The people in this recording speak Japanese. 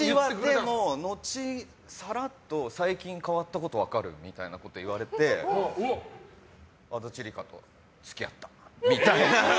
後、さらっと最近変わったこと分かる？みたいなこと言われて足立梨花と付き合ったみたいな。